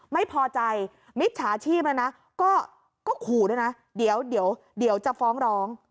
ไม่พอใจมิจฉาชีพนะนะก็ขู่ด้วยนะเดี๋ยวจะฟ้องร้อง